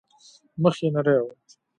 مخ يې نرى و.